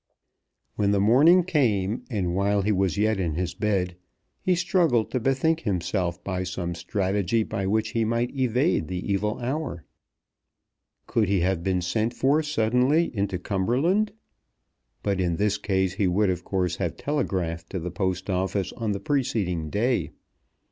When the morning came, and while he was yet in his bed, he struggled to bethink himself of some strategy by which he might evade the evil hour. Could he have been sent for suddenly into Cumberland? But in this case he would of course have telegraphed to the Post Office on the preceding day.